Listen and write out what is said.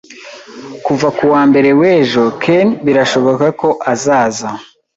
Kuva kuwa mbere w'ejo, Ken birashoboka ko azaza